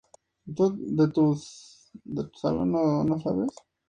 De tierra, protegiendo el portón monumental, poseía un revellín triangular.